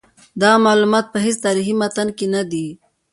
دغه معلومات په هیڅ تاریخي متن کې نه دي.